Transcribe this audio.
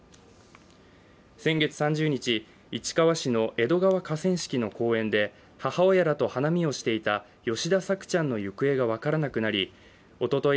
先月３０日、市川市の江戸川河川敷の公園で母親らと花見をしていた吉田朔ちゃんの行方が分からなくなりおととい